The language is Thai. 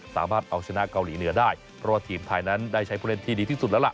สามารถเอาชนะเกาหลีเหนือได้เพราะว่าทีมไทยนั้นได้ใช้ผู้เล่นที่ดีที่สุดแล้วล่ะ